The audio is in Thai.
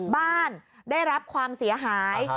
บ้านได้รับความเสียหาย